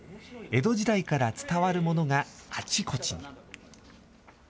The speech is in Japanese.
江戸時代から伝わるものがあちこちに。